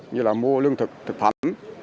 như là mua lương thực thực phẩm